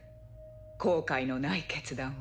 後悔のない決断を。